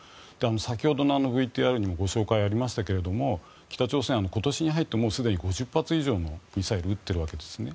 先ほどのＶＴＲにもご紹介ありましたけれども北朝鮮は今年に入ってすでに５０発以上のミサイルを撃っているわけですね。